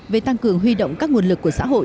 về tăng cường huy động các nguồn lực của xã hội